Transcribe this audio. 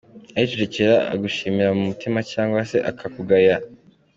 Aricecekera akagushimira mu mutima cyangwa se akakugaya.